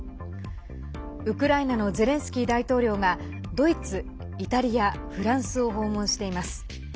ウクライナのゼレンスキー大統領がドイツ、イタリア、フランスを訪問しています。